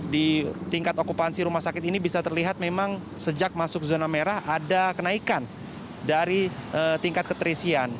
di tingkat okupansi rumah sakit ini bisa terlihat memang sejak masuk zona merah ada kenaikan dari tingkat keterisian